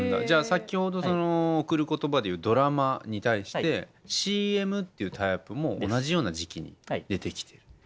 じゃあ先ほど「贈る言葉」でいうドラマに対してＣＭっていうタイアップも同じような時期に出てきてる。